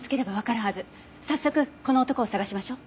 早速この男を捜しましょう。